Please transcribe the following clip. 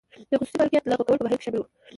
د خصوصي مالکیت لغوه کول په بهیر کې شامل و.